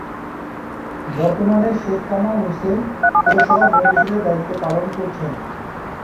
বর্তমানে শেখ কামাল হোসেন পৌরসভার মেয়র হিসেবে দায়িত্ব পালন করছেন।